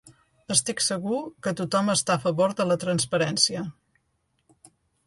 Estic segur que tothom està a favor de la transparència.